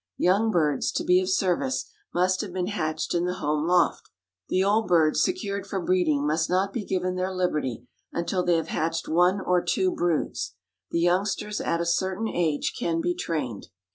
Young birds, to be of service, must have been hatched in the home loft. The old birds secured for breeding must not be given their liberty until they have hatched one or two broods. The youngsters at a certain age can be trained.